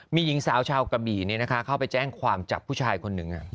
มีหญิงสาวชาวกะบี่เข้าไปแจ้งความจับผู้ชายคนหนึ่ง